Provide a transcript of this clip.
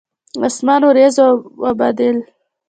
اسمان اوریځ واوبدل